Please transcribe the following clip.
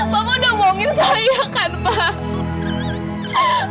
bapak udah omongin saya kan pak